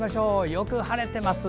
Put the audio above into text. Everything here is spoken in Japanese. よく晴れてます。